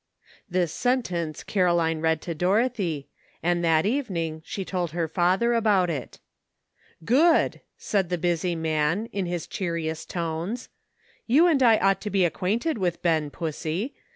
This sentence Caroline read to Dorothy, and that evening she told her father about it. ''Good !" said the busy man, in his cheeriest tones; "you and I ought to be acquainted with Ben, Pussy.